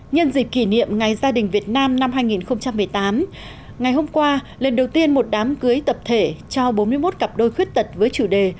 nhân dịp kỷ niệm ngày gia đình việt nam năm hai nghìn một mươi tám ngày hôm qua lần đầu tiên một đám cưới tập thể cho bốn mươi một cặp đôi khuyết tật với chủ đề